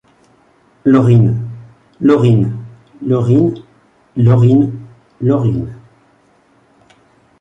Lauryne, Lorine, Laureen, Laurine, Laurinne.